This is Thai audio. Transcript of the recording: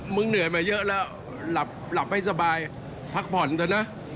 เหนื่อยมาเยอะแล้วหลับไม่สบายพักผ่อนเถอะนะ